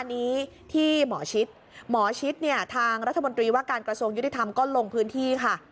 อันนี้ที่หมอชิดหมอชิดเนี่ยทางรัฐมนตรีว่าการกระทรวงยุติธรรมก็ลงพื้นที่ค่ะ